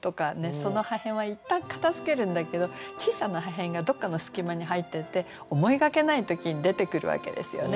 その破片は一旦片づけるんだけど小さな破片がどっかの隙間に入っていて思いがけない時に出てくるわけですよね。